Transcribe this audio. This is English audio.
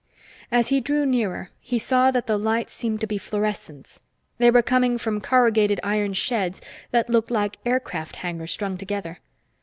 As he drew nearer, he saw that the lights seemed to be fluorescents. They were coming from corrugated iron sheds that looked like aircraft hangars strung together.